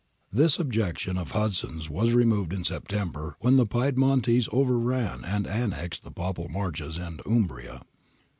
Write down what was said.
[This objection of Hudson's was removed in September when the Piedmontese overran and annexed the Papal Marches and Umbria.